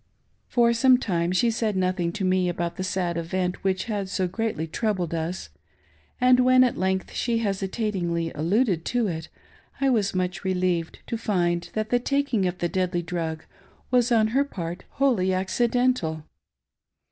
For some time she said nothing to me about the sad event which had so greatly troubled us, and when at length shfe hesitatingly dluded to it, I was much relieved to find that the taking of the deadly drug was on her part wholly accidental.